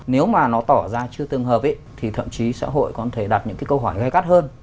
nếu mà nó tỏ ra chưa tương hợp thì thậm chí xã hội còn thể đặt những cái câu hỏi gây gắt hơn